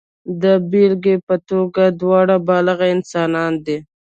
د بېلګې په توګه دواړه بالغ انسانان دي.